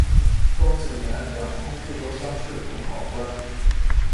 庚子年两充贵州乡试同考官。